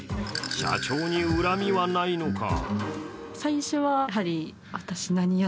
社長に恨みはないのか？